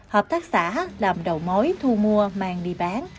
hợp tác xã làm đầu mối